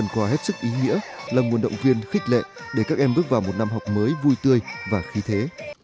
quà hết sức ý nghĩa là nguồn động viên khích lệ để các em bước vào một năm học mới vui tươi và khí thế